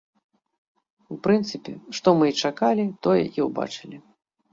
У прынцыпе, што мы і чакалі, тое і ўбачылі.